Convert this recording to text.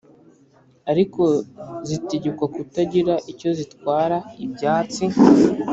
Ariko zitegekwa kutagira icyo zitwara ibyatsi